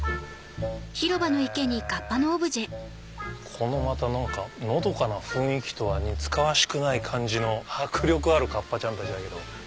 このまた何かのどかな雰囲気とは似つかわしくない感じの迫力ある河童ちゃんたちだけど。